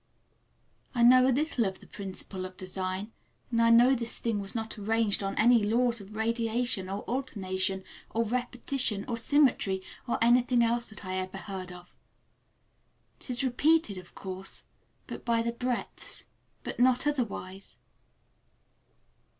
I know a little of the principle of design, and I know this thing was not arranged on any laws of radiation, or alternation, or repetition, or symmetry, or anything else that I ever heard of. It is repeated, of course, by the breadths, but not otherwise.